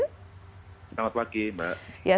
selamat pagi mbak